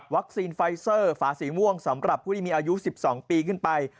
วัคซีนไฟซเซอร์ฝาศีลห้วงสำหรับผู้ที่มีอายุ๑๒ปีขึ้นไป